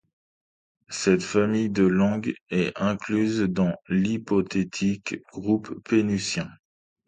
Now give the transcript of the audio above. Cette famille de langues est incluse dans l'hypothétique groupe pénutien.